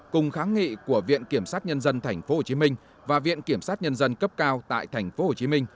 cùng kháng nghị của viện kiểm sát nhân dân tp hcm và viện kiểm sát nhân dân cấp cao tại tp hcm